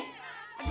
udah siang nih